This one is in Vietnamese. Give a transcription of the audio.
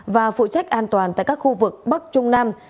và phụ trách an toàn tại các khu vực bắc trung nam